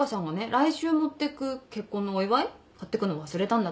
来週持ってく結婚のお祝い買ってくの忘れたんだって。